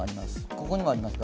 ここにもあります。